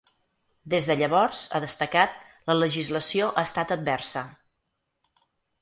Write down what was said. Des de llavors, ha destacat, la legislació ha estat adversa.